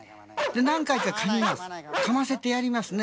何回か手をかませてやりますね。